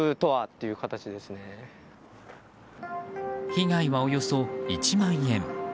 被害はおよそ１万円。